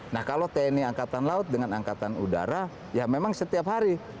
nah kalau tni angkatan laut dengan angkatan udara ya memang setiap hari